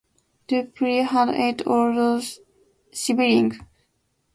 Dupuy had eight older siblings.